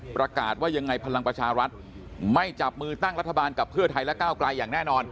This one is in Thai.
ประกาศว่ายังไงพลังประชารัฐไม่จับมือตั้งรัฐบาลกับเพื่อไทยและก้าวไกลอย่างแน่นอน